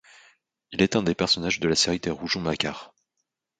Il est un des personnages de la série des Rougon-Macquart.